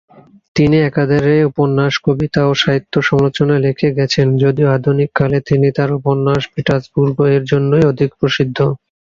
তিনি একাধারে উপন্যাস, কবিতা ও সাহিত্য সমালোচনা লিখে গেছেন, যদিও আধুনিক কালে তিনি তার উপন্যাস "পিটার্সবুর্গ"-এর জন্যই অধিক প্রসিদ্ধ।